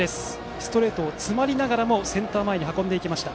ストレートを詰まりながらもセンター前に運びました。